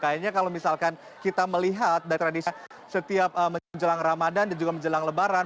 kayaknya kalau misalkan kita melihat dari tradisi setiap menjelang ramadan dan juga menjelang lebaran